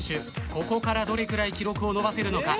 ここからどれくらい記録を伸ばせるのか！？